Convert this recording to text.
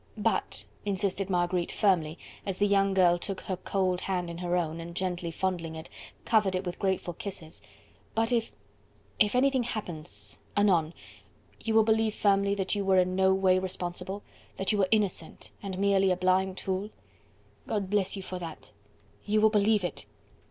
"But," insisted Marguerite firmly, as the young girl took her cold hand in her own, and gently fondling it, covered it with grateful kisses, "but if... if anything happens... anon... you will believe firmly that you were in no way responsible?... that you were innocent.. and merely a blind tool?..." "God bless you for that!" "You will believe it?"